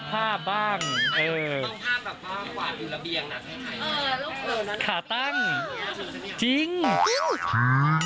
ขาตั้งกล้องค่ะ